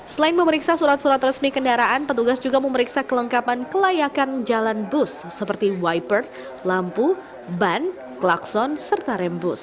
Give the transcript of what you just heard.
selain memeriksa surat surat resmi kendaraan petugas juga memeriksa kelengkapan kelayakan jalan bus seperti wipert lampu ban klakson serta rembus